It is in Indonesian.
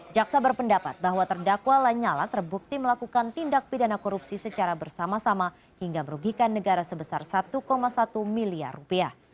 jaksa berpendapat bahwa terdakwa lanyala terbukti melakukan tindak pidana korupsi secara bersama sama hingga merugikan negara sebesar satu satu miliar rupiah